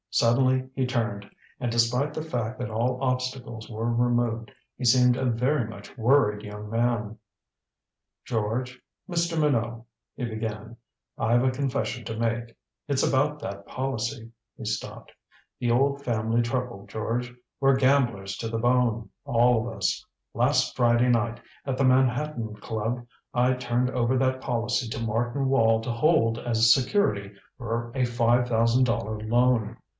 Suddenly he turned, and despite the fact that all obstacles were removed, he seemed a very much worried young man. "George Mr. Minot," he began, "I've a confession to make. It's about that policy." He stopped. "The old family trouble, George. We're gamblers to the bone all of us. Last Friday night at the Manhattan Club I turned over that policy to Martin Wall to hold as security for a five thousand dollar loan."